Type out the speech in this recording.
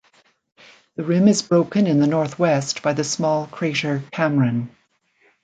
The rim is broken in the northwest by the small crater Cameron.